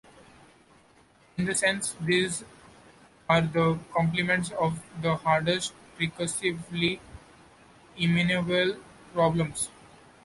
In a sense, these are the complements of the hardest recursively enumerable problems.